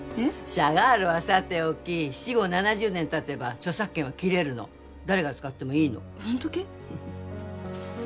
シャガールはさておき死後７０年たてば著作権は切れるの誰が使ってもいいのホントけ？